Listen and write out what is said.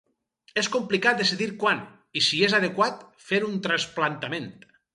És complicat decidir quan, i si és adequat, fer un trasplantament.